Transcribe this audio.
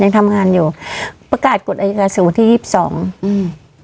ยังทำงานอยู่ประกาศกฎอายการสู่วันที่ยี่สิบสองอืม